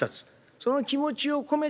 その気持ちを込めて詠う。